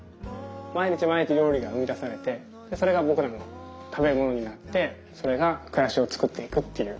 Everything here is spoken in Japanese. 毎日毎日料理が生み出されてそれがぼくらの食べ物になってそれが暮らしをつくっていくっていう。